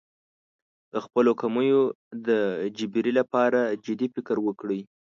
د خپلو کمیو د جبېرې لپاره جدي فکر وکړي.